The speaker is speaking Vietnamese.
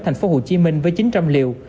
thành phố hồ chí minh với chín trăm linh liều